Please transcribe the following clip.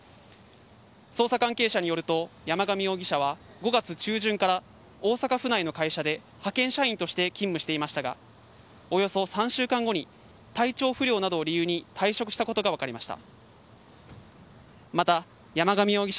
捜査関係者によると山上容疑者は５月中旬から大阪府内の会社で派遣社員として勤務していましたがおよそ３週間後に体調不良などを理由に退職したことが分かりました。